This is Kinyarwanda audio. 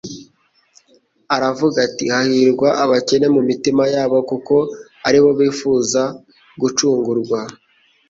Aravuga ati: hahirwa abakene mu mitima yabo. Kuko ari bo bifuza gucungurwa.